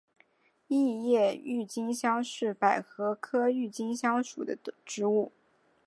异叶郁金香是百合科郁金香属的植物。